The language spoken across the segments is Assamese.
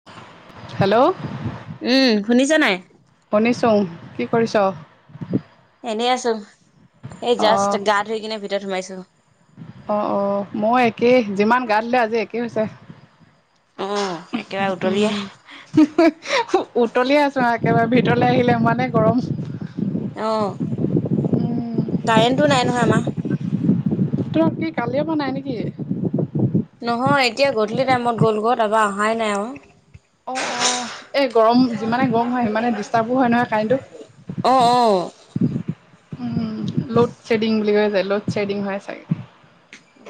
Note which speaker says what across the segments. Speaker 1: [unintelligible]
Speaker 2: হেল্ল'।
Speaker 1: উম শুনিছা নাই?
Speaker 2: শুনিছো। কি কৰিছ?
Speaker 1: এনেই আছো এই জাষ্ট গা ধুই কিনে ভিতৰত সোমাইছো।
Speaker 2: অ' অ' মই একেই যিমান গা ধূলে আজি একেই হৈছে।
Speaker 1: অ'
Speaker 2: উম।
Speaker 1: একেবাৰে
Speaker 2: উতলিে
Speaker 1: উতলিয়ে।
Speaker 2: আছো আৰু একেবাৰে ভিতৰলে আহিলে ইমানে গৰম।
Speaker 1: অ'।
Speaker 2: উম,
Speaker 1: কাৰেণ্টটো নাই নহয় আমাৰ।
Speaker 2: তই কি কালিয় পৰা নাই নেকি?
Speaker 1: নহয় এতিয়া গধূলি টাইমত গ'ল ঘ'ৰত তাৰপৰা অহাই নাই আৰু।
Speaker 2: অ' অ' এই গৰম যিমানে গৰম হয় সিমানে ডিষ্টাৰ্বো হয় নহয় কাৰেণ্টো।
Speaker 1: অ' অ'।
Speaker 2: লোড শ্বেডিং বুলি কৈ যায় লোড শেডিং হয় চাগে।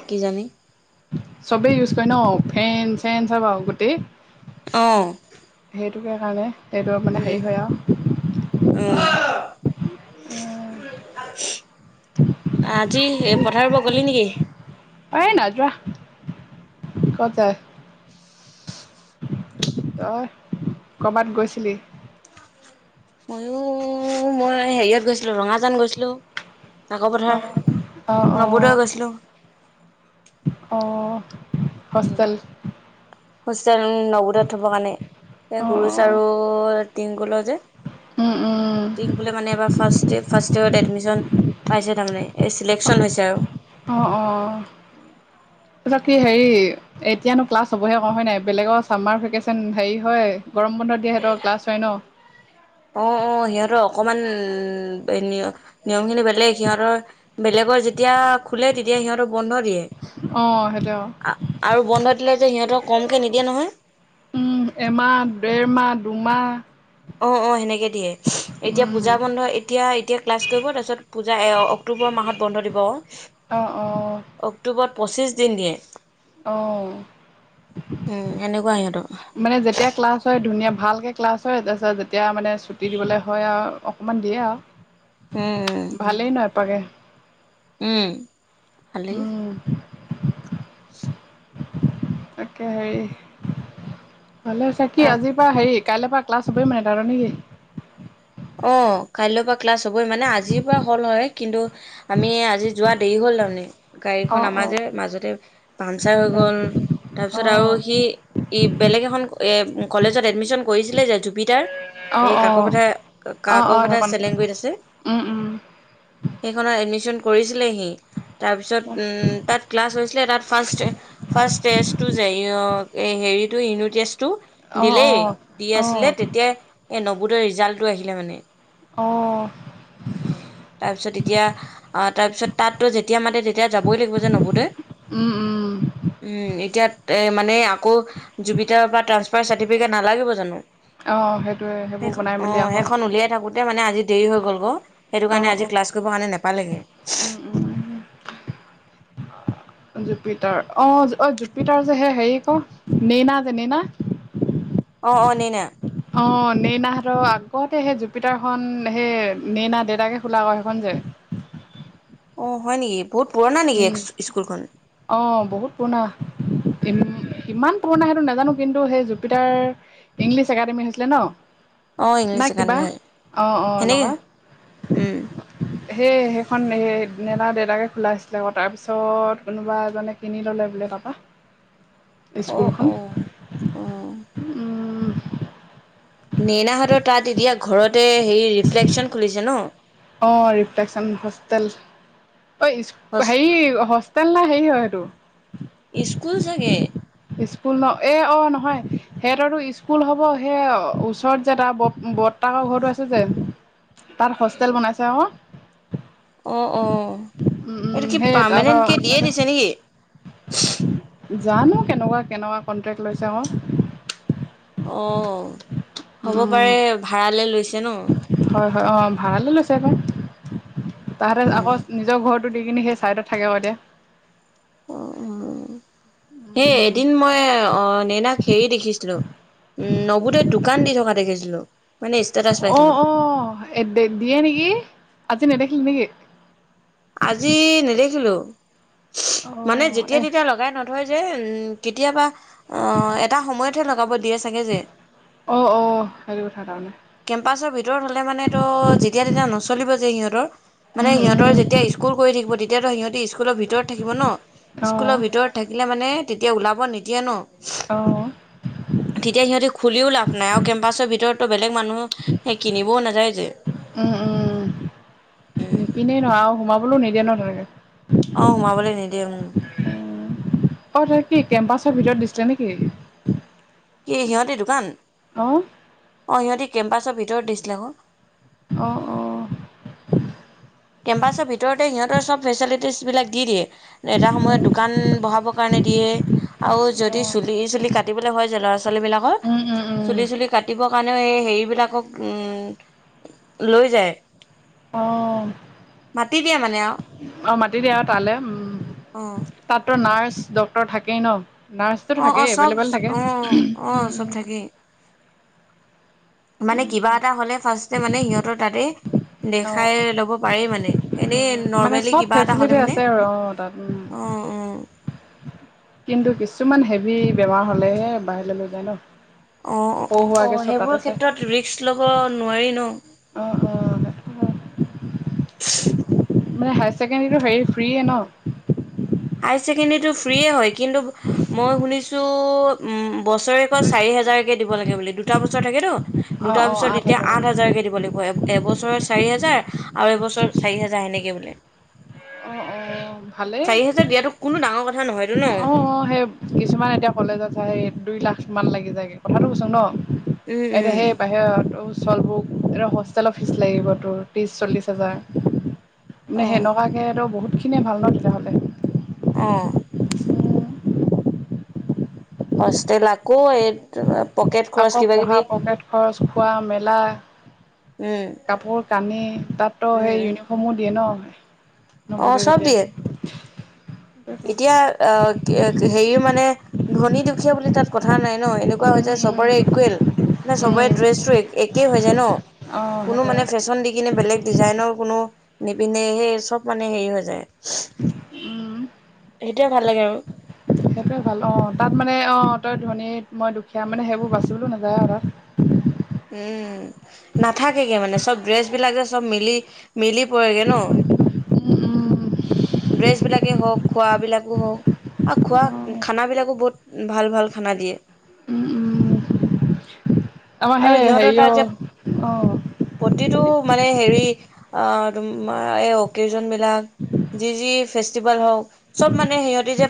Speaker 1: কি জানি।
Speaker 2: চবেই ইউজ কৰে ন ফেন চেন চাব গোটেই।
Speaker 1: অ'।
Speaker 2: সেইটোকে কাৰণে সেইটো মানে
Speaker 1: উম
Speaker 2: হেৰি হয় আৰু
Speaker 1: [unintelligible] আজি পথাৰৰ পৰা গলি নেকি?
Speaker 2: অ', নযোৱা কত অ', কৰবাত গৈছিলি।
Speaker 1: ময়ো মই হেৰিয়ত গৈছিলো ৰঙাজান গৈছিলো। আকৌ
Speaker 2: অঁ
Speaker 1: পথাৰ
Speaker 2: অঁ
Speaker 1: নবোদয় গৈছিলো।
Speaker 2: অ', হোষ্টেল।
Speaker 1: হোষ্টেল নগোদত থব কাৰণে এ
Speaker 2: অঁ
Speaker 1: সৰু
Speaker 2: অঁ
Speaker 1: চাৰ টিংগলৰ যে
Speaker 2: উম উম
Speaker 1: টিংফুলে মানে এবাৰ ফাৰ্ষ্ট ফাৰ্ষ্ট ইয়েৰত এডমিশচন পাইছে তাৰমানে এই চিলেকশচন হৈছে আৰু
Speaker 2: অ', অ, ত কি হেৰি এতিয়ানো ক্লাছ হবহে কওঁ হয় নাই বেলেগৰ চামাৰ ভেকেচন হেৰি হয়। গৰম বন্ধ দিয়েহঁতক কলাছ হয় ন।
Speaker 1: অ, ' অ, 'সিহঁতৰ অকমান উ, নিয়ম খিনি বেলেগ সিহঁতৰ বেলেগৰ যেতিয়া খোলে তেতিয়া সিহঁতো বন্ধ দিয়ে।
Speaker 2: অ, 'সেইটো
Speaker 1: আৰু বন্ধ দিলে যে সিহঁতক কমকৈ নিদিয়ে নহয়।
Speaker 2: উম, এমাহ দেৰমাহ দুমাহ।
Speaker 1: অ, 'অ, 'সেনেকে দি এতিয়া
Speaker 2: উম
Speaker 1: পূজা বন্ধ এতিয়া এতিয়া ক্লাছ কৰিব তাৰপিছত পূজা অক্টোবৰ মাহত বন্ধ দিব অ, '
Speaker 2: অঁ, ' অঁ, '
Speaker 1: অক্টোবৰত পঁচিছ দিন দিয়ে।
Speaker 2: আহ।
Speaker 1: উম সেনেকুৱা সিহঁতৰ
Speaker 2: মানে যেতিয়া ক্লাছ হয় ধুনীয়া ভালকৈ ক্লাছ হয় তাৰপিছত যেতিয়া মানে ছুটি দিবলৈ হয় আৰু অকণমান দিয়ো
Speaker 1: উম উম
Speaker 2: আৰু ভালেই নয়পাগে।
Speaker 1: ভালেই।
Speaker 2: উম, তাকে, হেৰি ভালে চ কি আজিৰ পৰা হেৰি কাইলৈ পৰা ক্লছ হবই মানে, তাৰ নেক কি
Speaker 1: অ, 'কাইলৈ পৰা ক্লাছ হবই মানে আজিৰ পৰা হল হয় কিন্তু আমি আজি যোৱা দেৰি হ'ল তাৰমানে গাড়ীখন
Speaker 2: অ', অ',
Speaker 1: আমাজে মাজতে পাংচাৰ হৈ
Speaker 2: অ',
Speaker 1: গ'ল তাৰপিছত আৰু সি ই বেলেগ এখন কলেজত এডমিশ্যন কৰিছিলে যে জুবটাৰ
Speaker 2: অ',
Speaker 1: সেই কাকৰ
Speaker 2: অ',
Speaker 1: পথাাৰ
Speaker 2: অ', অ',
Speaker 1: কাকভটা
Speaker 2: সেইকণ
Speaker 1: চেলেংগুত আছে
Speaker 2: উম, উম,
Speaker 1: সেইখনত এডমিশন কৰিছিলেহি। তাৰপিছত তাত ক্লাছ হৈছিলে তাত ফাৰ্ষ্ট ফাৰ্ষ হটো
Speaker 2: অ',
Speaker 1: দিলেই
Speaker 2: অ',
Speaker 1: দি আছিলে
Speaker 2: অ',
Speaker 1: তেতিয়া এই নবদৰ ৰিজাল্টটো আহিলে মানে
Speaker 2: অ',
Speaker 1: অ, ' তাৰপিছত এতিয়া তাৰপিছত তাততো যেতিয়া মাতে তেতিয়া যাবই লাগিব যে নবোদয়
Speaker 2: উম, উম,
Speaker 1: উম, এতিয়া এ মানে আকৌ জুবিতৰা বা ট্ৰান্সফাৰ চাৰ্টিফিকেট নালাগিব জানো।
Speaker 2: অ, 'সেইটোয়ে সেইবোৰ বনাই মেলি
Speaker 1: অঁ, '
Speaker 2: আকৌ
Speaker 1: সেইখন উলিয়াই থাকোঁতে মানে আজি দেৰি হৈ'ল গ' সেইটো কাৰণে
Speaker 2: অ',
Speaker 1: আজি
Speaker 2: অ',
Speaker 1: ক্লাছ কৰিবৰ কাৰণে নাপালেগৈ।
Speaker 2: উম, উম, জুপিটাৰ অ', অ', জুপিটাৰ যে সেই হেৰি ক নেইনা যে নেইনা।
Speaker 1: অ', নেইনা।
Speaker 2: অ ', নেইনা হতৰ আগতে সেই জুপিটাৰখনন সেই নেইনা দেউতাকে খোলা কৰ সেইখন যে
Speaker 1: অ', য় নেকি? বহুত পুৰণা
Speaker 2: উম,
Speaker 1: নেকি স্কুলখন?
Speaker 2: অ', হুত পুৰণা। ইম ইমান পুৰণা সেইটো নাজানো কিন্তু সেই জুপিটাৰ। ইংলিছ একাডেমি হৈছিলে ন?
Speaker 1: অ
Speaker 2: না
Speaker 1: ইংলিছ
Speaker 2: কিবা
Speaker 1: একাডেমি হয়
Speaker 2: অ',
Speaker 1: সেনেকে
Speaker 2: এনেকুৱা।
Speaker 1: উম
Speaker 2: সেই সেইখন হ নেলা দেউতাকে খোলাছিল। বলে তাৰপিছত কোনোবা এজনে কিনি ল'লে বোলে কপৰা।
Speaker 1: অ
Speaker 2: স্কুলখন।
Speaker 1: অ অ নেইনাহঁতৰ তাত এতিয়া ঘৰতে হেৰি ৰিফ্লেকচন খুলিছে ন?
Speaker 2: অঁ ৰিফ্লেকচন হোষ্টেল। অ', হেৰি হোষ্টেল না হেৰি হয় সেইটো?
Speaker 1: স্কুল চাগে?
Speaker 2: স্কুল ন এ অঁ নহয় সিহঁততো স্কুল হ'ব সেই ওচৰত যে তাৰ ব বট। তাকৰ ঘৰৰতটো আছে যে তাত হোষ্টেল বনাইছে আকৌ!
Speaker 1: অ, অ, এইটো কি
Speaker 2: সেই তাহাঁতৰ
Speaker 1: পাৰমানেণ্টকৈ দিয়ে
Speaker 2: ওচৰতে
Speaker 1: দিছে নেকি?
Speaker 2: জানো কেনেকুৱা কেনেকুৱা কণ্টেক্ট লৈছে অ
Speaker 1: অ', 'ব
Speaker 2: উম
Speaker 1: পাৰে ভাড়ালৈ লৈছে ন।
Speaker 2: হয়, হয়, আকৌ ভাড়ালৈ লৈছে আকৌ তাহাঁতে আকৌ
Speaker 1: উম,
Speaker 2: নিজৰ ঘৰত। দি কিনে সেই চাইডত [unintelligible]
Speaker 1: অ', সেই এদিন মই অ'। নেনাক হেৰি দেখিছিলো উম নবুদোয়ত দোকান দি থকা দেখিছিলোঁ। মানে ষ্টেটাছ
Speaker 2: অ',
Speaker 1: পাইছিলোঁ।
Speaker 2: অ', দিয়ে নেকি আজি নেদেখিলি নেকি?
Speaker 1: আজি নেদেখিলোঁ।
Speaker 2: অ'।
Speaker 1: মানে যেতিয়া তেতিয়া লগাই নধয় যে কেতিয়াবা এটা সময়ত তহে লগাব দিয়ে চাগে যে।
Speaker 2: অ', অ', হেৰি কথা তাৰমানে।
Speaker 1: কেম্পাছৰ ভিতৰত হ'লে মানে তো যেতিয়া তেতিয়া নচলিব যে সিহঁতৰ। মানে
Speaker 2: উম
Speaker 1: সিহঁতৰ
Speaker 2: উম
Speaker 1: যেতিয়া স্কুল কৰি থাকিব তেতিয়াতো সিহঁতে স্কুলৰ ভিতৰত থাকিব ন।
Speaker 2: অঁ
Speaker 1: স্কুলৰ ভিতৰত থাকিলে মানে তেতিয়া ওলাব নিদিয়ে ন।
Speaker 2: অ'।
Speaker 1: তেতিয়া সিহঁতে খুলিও লাভ নাই আৰু কেম্পাছৰ ভিতৰতো বেলেগ। বেলেগ মানুহ সেই কিনিবও নাযায় যে
Speaker 2: উম উমম
Speaker 1: উম
Speaker 2: নিপিনে ন আৰু সোমাবলৈও নিদিয়ে ন তেনেকে।
Speaker 1: অ', সোমাবলৈ নিদিয়ে উ।
Speaker 2: অ', ত কি কেম্পাছৰ ভিতৰত দিছিলে নেকি।
Speaker 1: ই সিহঁতি দোকান।
Speaker 2: অ'।
Speaker 1: অ', সিহঁতি কেম্পাছৰ ভিতৰত দিছিলে আকৌ।
Speaker 2: অ', অ'।
Speaker 1: কেম্পাছৰ ভিতৰতে সিহঁতৰ চব ফেচেলিটিছবিলাক দি দিয়ে। এটা সময়ত দোকান বহাবৰ কাৰণে দিয়ে আৰু যদি
Speaker 2: অঁ
Speaker 1: চুলি, চুলি কাটি কাটিব হয় ল'ৰা ছোৱালী বিলাকৰ
Speaker 2: উম উম উম
Speaker 1: চুলি চুলি কাটিবৰ কাৰণেও এই হেৰিবিলাকক লৈ যায়।
Speaker 2: অ',
Speaker 1: মাতি দিয়ে মানে আৰু
Speaker 2: আহ মাতি দিয়া আৰু তালৈ উম।
Speaker 1: অ',
Speaker 2: তাততো নাৰ্ছ ড্ক্তৰ থাকেই ন, নাৰ্ছটো
Speaker 1: অ', অ',
Speaker 2: থাকেই
Speaker 1: চব
Speaker 2: এভেইলেবল থাকে।
Speaker 1: অ', অ', চব
Speaker 2: উম
Speaker 1: থাকেই। মানে
Speaker 2: উম
Speaker 1: কিবা
Speaker 2: উম
Speaker 1: এটা হ'লে ফাৰ্ষ্টে মানে সিহঁতৰ তাতে
Speaker 2: অঁ
Speaker 1: দেখাই ল'ব পাৰি মানে এনেই
Speaker 2: মানে
Speaker 1: নৰ্মেলি
Speaker 2: চব
Speaker 1: কিবা এটা হ'লে
Speaker 2: ফেচিলিটি
Speaker 1: মানে
Speaker 2: আছে আৰু অ', তাত
Speaker 1: অ',
Speaker 2: উম।
Speaker 1: অ',
Speaker 2: কিন্তু কিছুমান হেভি বেমাৰ হলেহে বাহিৰলৈ লৈ যায় ন।
Speaker 1: অ',
Speaker 2: পঢ়ুৱাকৈ
Speaker 1: অ',
Speaker 2: চব
Speaker 1: সেইবোৰ
Speaker 2: তাতে চাই
Speaker 1: ক্ষেত্ৰত ৰিস্ক ল'ব নোৱাৰি ন।
Speaker 2: উম, উম। মানে হায়াৰ ছেকেণ্ডেৰীটো হেৰি ফ্ৰীয়ে ন।
Speaker 1: হায়াৰ ছেকেণ্ডেৰীটো ফ্ৰিয়েই হয় কিন্তু মই শুনিছোঁ উম বছৰেকত চাৰি হোজাৰকে দিব লাগে বুলি দুটা বছৰ থাকেতো।
Speaker 2: অঁ
Speaker 1: দুটাৰ
Speaker 2: অঁ
Speaker 1: পিছত এতিয়া
Speaker 2: হাজাৰ
Speaker 1: আঠ হাজাৰকে দিব লাগিব। এবছৰত চাৰি হাজাৰ আৰু এবছ চাৰি হোজাৰ সেনেকে বুলি।
Speaker 2: অ', অ', ভালেই।
Speaker 1: তছ দিয়া কোনো ডাঙৰ কথা নহয়তো ন।
Speaker 2: অঁ অঁ সেই কিছুমান এতিয়া কলেজত চায় দুই লাখ মান লাগি যায়গৈ কথাটো কৈছো ন।
Speaker 1: উম, উম।
Speaker 2: তেতিয়া সেই বাহিৰত চলবোৰক এ হোষ্টেলৰ ফীজ লাগিব তোৰ ত্ৰিছ চল্লিছ হাজাৰ।
Speaker 1: অ
Speaker 2: মানে সেনেকুৱাকেতো বহুত খিনিয়ে ভাল ন তেতিয়াহ'লে
Speaker 1: উ। হোষ্টেল আকৌ এই [unintelligible]
Speaker 2: আকৌ
Speaker 1: কিবা
Speaker 2: পঢ়া
Speaker 1: কিবি
Speaker 2: পকেট খৰচ খোৱা মেলা
Speaker 1: উম উম
Speaker 2: কাপোৰ কানি তাতো সেই
Speaker 1: উম
Speaker 2: ইউনিফৰ্ম। সমো, দিয়ে ন,
Speaker 1: অ
Speaker 2: নবোদয়ত
Speaker 1: চব দিয়ে
Speaker 2: তেতিয়া।
Speaker 1: এতিয়া আহ, হেৰি মানে ধনী দুখীয়া বুলি তাত। কথা নাই ন এনেকুৱা হৈ যায়
Speaker 2: উম উম উম
Speaker 1: চবৰে ইকুৱেল নে চবৰে ড্ৰেছ একেই হৈ যায় ন।
Speaker 2: অঁ
Speaker 1: কোনো
Speaker 2: সেইটোৱে
Speaker 1: মানে ফেশ্বন দি কিনে বেলেগ। ডিজাইনৰ কোনো নিপিন্ধে সেই চব মানে হেৰি হৈ যায়।
Speaker 2: উম,
Speaker 1: সেইটোয়ে ভাল লাগে আৰু।
Speaker 2: সেইটোয়ে ভাল অ, তাত মানে অ, তই ধনী মই দুখীয়া মানে সেইবোৰ বাচিবলৈ নাযায় আৰু তাত।
Speaker 1: উম, নাথাকেগে মানে চব ড্ৰেছ বিলাক যে চব মিলি মিলি পৰেগে ন।
Speaker 2: উম
Speaker 1: ড্ৰেছ বিলাকে হওক খোৱাবলাকো হওক। আৰু
Speaker 2: উম
Speaker 1: খোৱা
Speaker 2: অঁ
Speaker 1: খানাবিলাকো বহুত ভাল ভাল খানা দিয়ে।
Speaker 2: উম উম, আমাৰ
Speaker 1: আৰু
Speaker 2: সেই
Speaker 1: সিহঁতৰ
Speaker 2: হেৰি অ,
Speaker 1: তাৰ যে
Speaker 2: অ,
Speaker 1: প্ৰতিটো মানে হেৰি ত এই অকেজন বিলাক। যি যি ফেষ্টিভেল হওক চব মানে সিহঁতে যে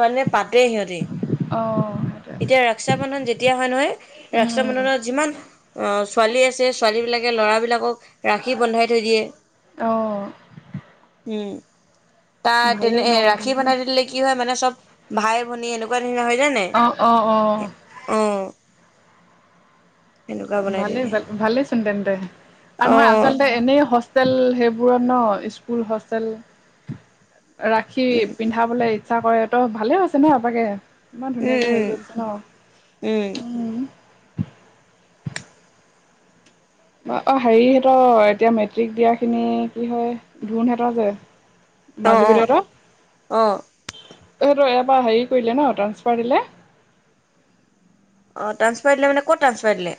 Speaker 1: মানে পাতে সিহঁতে।
Speaker 2: অ, সেইটোৱে
Speaker 1: এতিয়া ৰসাবন্ধন যেতিয়া হয় নহয়,
Speaker 2: উম, উম,
Speaker 1: ৰাসাবন্ধনত যিমান। ছোৱালী আছে ছোৱালীবিলাকে ল'ৰাবিলাকক ৰাখি বন্ধাই থৈ দিয়ে।
Speaker 2: অ,
Speaker 1: উম, তাত
Speaker 2: ভালেই
Speaker 1: তেনে
Speaker 2: ন উম,
Speaker 1: ৰাখী বনাই দিলে কি হয় মানে চব ভাই ভনী এনেকুৱা। না হয় জানে
Speaker 2: অ', অ', অ',
Speaker 1: অ, সেনেকুৱা বনাই থৈ
Speaker 2: ভালেই
Speaker 1: দিয়ে
Speaker 2: ভাল ভালেচোন তেন্তে আৰু নহয়
Speaker 1: অ'
Speaker 2: আচলতে এনেই স হোষ্টেল সেইবোৰৰ ন, স্কুল হোষ্টেল। ৰাখি
Speaker 1: উম
Speaker 2: পিন্ধাবলে ইচ্ছা কৰে তো ভালে হৈছে নে সবাকে। ইমান ধুনীয়াকে হেৰি
Speaker 1: উম
Speaker 2: কৰি দিছে ন। উম, অ, হেৰি হহতৰ এতিয়া মেট্ৰিক দিয়া খিনি কি হয়, ধোন হঁতৰ যে। মাজু
Speaker 1: অ'
Speaker 2: বিদত
Speaker 1: অ' অ'
Speaker 2: সটো এ হেৰি কৰিলে ন ট্ৰানসফাৰ দিলে।
Speaker 1: অ, তানচপাৰ দিলে বোলে ক'ত তানচপাৰ দিলে।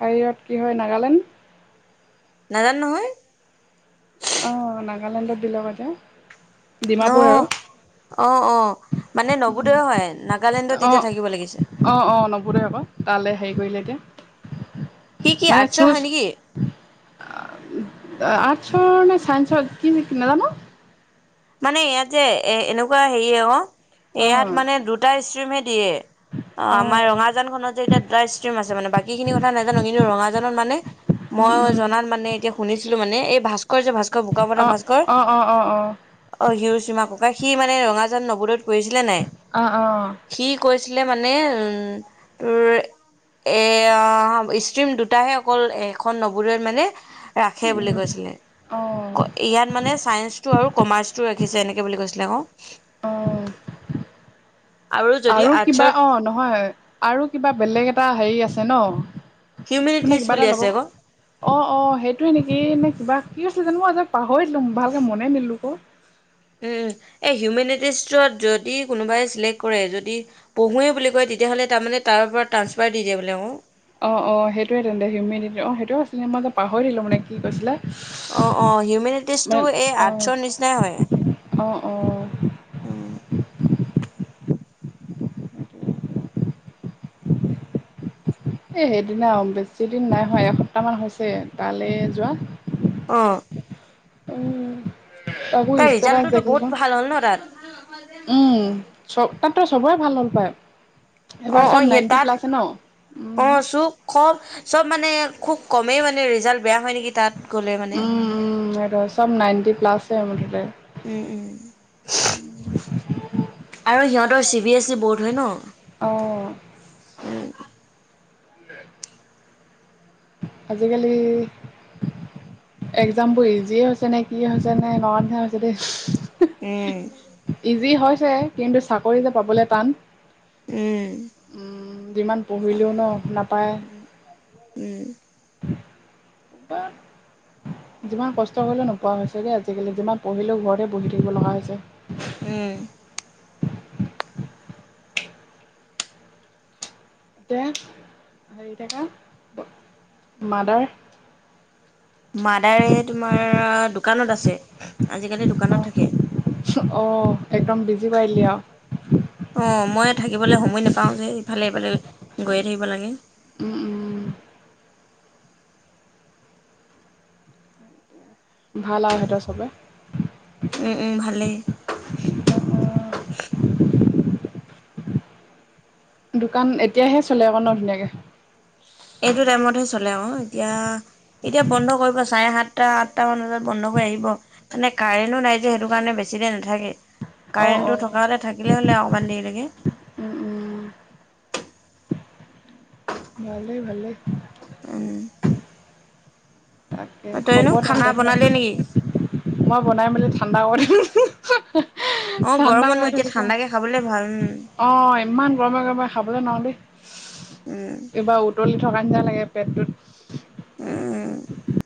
Speaker 2: বাহিৰত কি হয়, নাগালেণ্ড।
Speaker 1: নাজান নহয়।
Speaker 2: অ, নাগালেণ্ডত [unintelligible] ডিমাপুৰ
Speaker 1: অহ,
Speaker 2: আৰু
Speaker 1: অ, অ, মানে নৱোদয়ৰ হয় নাগালেণ্ডত
Speaker 2: অ
Speaker 1: এতিয়া থাকিব লাগিছে।
Speaker 2: অ, অ, নবোদয় আকৌ তালৈ হেৰি কৰিলেগে,
Speaker 1: সি কি
Speaker 2: মানে
Speaker 1: আৰ্টছৰ হয়
Speaker 2: চুজ
Speaker 1: নেকি
Speaker 2: আ, আৰ্টছৰ নে চাইন্সৰ কি নাজানো।
Speaker 1: মানে ইয়াত যে এ, এনে এনেকুৱা হেৰি অ,
Speaker 2: অ
Speaker 1: ইয়াত মানে দুটা ষ্ট্ৰীমহে দিয়ে। অ, আমাৰ ৰঙাজানখনত যে এতিয়া দুটা ষ্ট্ৰিম আছে মানে বাকীখিনি কথা নাজানো কিন্তু ৰঙাজানত মানে
Speaker 2: উম
Speaker 1: মইও
Speaker 2: উম
Speaker 1: জনাত মানে এতিয়া শুনিছিলো মানে এই ভাস্কৰ যে ভাস্কৰ বোকামতা
Speaker 2: অ,
Speaker 1: ভাস্কৰ
Speaker 2: অ, অ, অ, অ,
Speaker 1: অ, হিৰোসীমা ককাই সি মানে ৰঙাজান নৱোদয়ত পঢ়িছিলে
Speaker 2: অ অ
Speaker 1: নাই। সি কৈছিলে মানে উম, তোৰ এ, অ, ষ্ট্ৰীম দুটাহে অকল সেইখন নৱোদয় ত মানে। ৰাখে বুলি কৈছিলে অ, ইয়াত মানে চাইন্সটো আৰু। কমাৰ্চটো ৰাখিছে এনেকৈ বুলি কৈছিলে আকৌ। যদি
Speaker 2: আৰু কিবা
Speaker 1: আৰ্টছৰ
Speaker 2: অ, নহয়। আৰু কিবা বেলেগ এটা হেৰি আছে ন, মানে
Speaker 1: হিউমেনিটিজ
Speaker 2: কিবা
Speaker 1: বুলি
Speaker 2: এটা ল'ব
Speaker 1: আছে আকৌ
Speaker 2: অ, অ, সেইটোৱে নেকি এ নে কিবা কি আছিল জানো মই আজি পাহৰিচোং ভালকে মনেই নিদিলো আকৌ।
Speaker 1: উম, এই হিউমেনিটিজটোত যদি কোনোবাই চিলেক্ট কৰে যদি। পঢ়োৱেই বুলি কয় তেতিয়াহ'লে তাৰমানে তাৰ পৰা ট্ৰাঞ্চফাৰ দি দিয়ে বোলে ও।
Speaker 2: অ, অ, সেইটোৱে তেন্তে হিউমেনিটি অ, সেইটোৱে আছিলে মই যে পাহৰিলো মানে কি কৈছিলা।
Speaker 1: অ, অ, হিউমেনিটিজটো এই আৰ্টছৰ নিচিনাই হয়।
Speaker 2: অ', অ'। এই সেইদিনা অ' বেছিদিন নাই হোৱা, এসপ্তাহমান হৈছে তালে যোৱা।
Speaker 1: অ'।
Speaker 2: উম, তাকো
Speaker 1: তাৰ
Speaker 2: ষ্টেটাছ
Speaker 1: ৰিজাল্টটোতো বহুত
Speaker 2: দেখিহে।
Speaker 1: ভাল হ'ল ন তাত
Speaker 2: উম, চব তাততো সবৰে ভাল হ'ল পায়। এইবাৰ
Speaker 1: অ', অ',
Speaker 2: চব
Speaker 1: সেই
Speaker 2: নাইণ্টি
Speaker 1: তাত
Speaker 2: প্লাছে ন উম
Speaker 1: অ', চুব খব চব মানে খুব কমেই মানে ৰিজাল্ট বেয়া হয় নেকি তাত গ'লে মানে।
Speaker 2: উম উম, সেইটোৱে চব নাইনটি প্লাছ মুঠতে।
Speaker 1: উম, উম। আৰু সিহঁতৰ C B S E board হয় ন'।
Speaker 2: অ'।
Speaker 1: উম,
Speaker 2: উ [inaudible] আজিকালি একজামবোৰ ইজিয়ে হৈছে নে কি হৈছে নে [unintelligible] হৈছে দেই।
Speaker 1: উম।
Speaker 2: ইজি হৈছে কিন্তু চাকৰি যে পাবলৈ টান।
Speaker 1: উম,
Speaker 2: যিমান পঢ়িলেও ন' নাপায়।
Speaker 1: উম,
Speaker 2: যিমান কষ্ট কৰিলেও নোপোৱা হৈছেদে আজিকালি, যিমান পঢ়িলেও ঘৰতে বহি থাকিব লগা হৈছে।
Speaker 1: উম।
Speaker 2: তে হেৰি থাকা মাদাৰ
Speaker 1: মাদাৰে তোমাৰ অ' দোকানত আছে, আজিকালি দোকানত থাকে।
Speaker 2: অ', একদম বিজি কৰি দিলি আৰু।
Speaker 1: অ', মই থাকিবলৈ সময় নেপাওঁ যে ইফালে সিফালে গৈয়ে থাকিব লাগে।
Speaker 2: উম, উম। ভাল আৰু সিহঁতৰ সবে।
Speaker 1: উম, উম, ভালেই।
Speaker 2: দোকান এতিয়াহে চলে আকৌ ন'ধুনীয়াকে।
Speaker 1: এইটো টাইমতহে চলে অ', এতিয়া এতিয়া বন্ধ কৰিব চাৰে সাতটা আঠটামান বজাত বন্ধ কৰি আহিব। মানে কাৰেণ্টও নাই যে সেইটো কাৰণে বেছি দেৰি নাথাকেই।
Speaker 2: অঁ
Speaker 1: কাৰেণ্টটো
Speaker 2: অঁ
Speaker 1: থকা হ'লে থাকিলে হ'লে আৰু অকনমান দেৰি লৈকে
Speaker 2: উম, উম। ভালেই, ভালেই।
Speaker 1: উম।
Speaker 2: তাকে,
Speaker 1: তইনো
Speaker 2: হ'ব
Speaker 1: খানা
Speaker 2: তেন্তে ন?
Speaker 1: বনালি নেকি
Speaker 2: মই বনাই মেলি ঠাণ্ডা কৰিম, হি হি হা হাহ [unintelligible]
Speaker 1: অ', গৰমতনো এতিয়া ঠাণ্ডাকে খাবলে ভাল, উম।
Speaker 2: অ', ইমান গৰমে গৰমে খাবলৈ নোৱাৰো
Speaker 1: উম
Speaker 2: দেই। কিবা উতলি থকা নিচিনা লাগে পেটটোত।
Speaker 1: উম
Speaker 2: [inaudible]